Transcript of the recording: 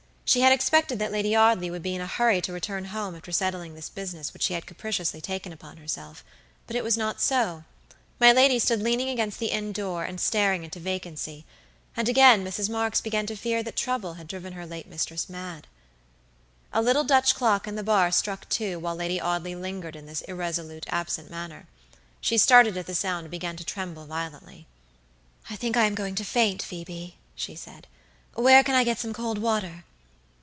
She had expected that Lady Audley would be in a hurry to return home after settling this business which she had capriciously taken upon herself; but it was not so; my lady stood leaning against the inn door and staring into vacancy, and again Mrs. Marks began to fear that trouble had driven her late mistress mad. A little Dutch clock in the bar struck two while Lady Audley lingered in this irresolute, absent manner. She started at the sound and began to tremble violently. "I think I am going to faint, Phoebe," she said; "where can I get some cold water?"